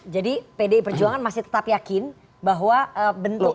jadi pdi perjuangan masih tetap yakin bahwa bentuk